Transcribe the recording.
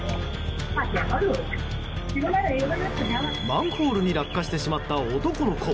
マンホールに落下してしまった男の子。